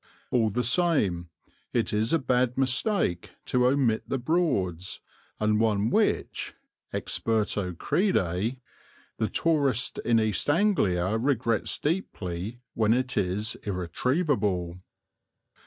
All the same, it is a bad mistake to omit the Broads, and one which, experto crede, the tourist in East Anglia regrets deeply when it is irretrievable.